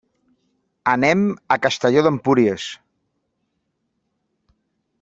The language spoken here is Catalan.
Anem a Castelló d'Empúries.